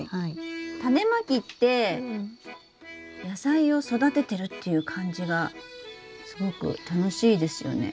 タネまきって野菜を育ててるっていう感じがすごく楽しいですよね。